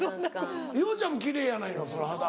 伊代ちゃんも奇麗やないか肌。